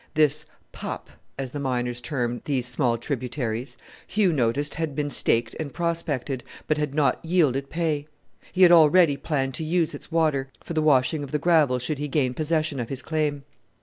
This "pup" as the miners term these small tributaries Hugh noticed had been staked and prospected, but had not yielded pay. He had already planned to use its water for the washing of the gravel should he gain possession of his claim.